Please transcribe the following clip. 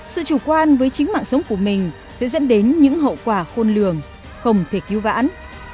sự chủ quan với chính mạng sống của mình sẽ dẫn đến những hậu quả khôn lường không thể cứu vãn